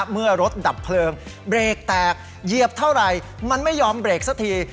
เมื่อรถดับเพลิงเบรกแตกเหยียบเท่าไหร่มันไม่ยอมเบรกสักที